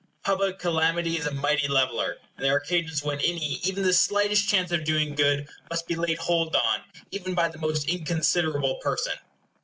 Public calamity is a mighty leveller; and there are occasions when any, even the slightest, chance of doing good must be laid hold on, even by the most inconsiderable person.